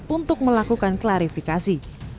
untuk melakukan klarifikasi